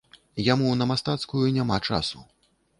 Яму на мастацкую няма часу.